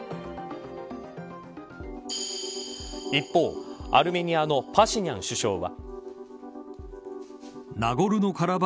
一方、アルメニアのパシニャン首相は。